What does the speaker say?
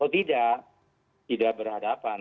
oh tidak tidak berhadapan